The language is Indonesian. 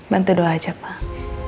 bantu doa aja pak